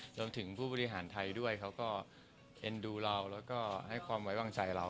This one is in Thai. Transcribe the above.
รวมถึงผู้บริหารไทยด้วยเขาก็เอ็นดูเราแล้วก็ให้ความไว้วางใจเรา